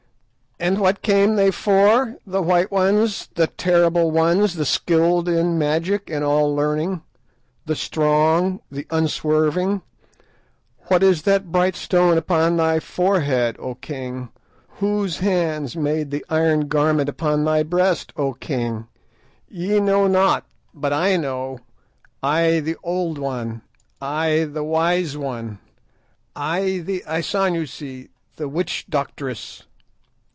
_ "And what came they for, the White Ones, the Terrible Ones, the skilled in magic and all learning, the strong, the unswerving? What is that bright stone upon thy forehead, O king? Whose hands made the iron garments upon thy breast, O king? Ye know not, but I know. I the Old One, I the Wise One, I the Isanusi, the witch doctress!"